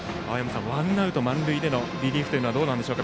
ワンアウト満塁でのリリーフというのはどうでしょう？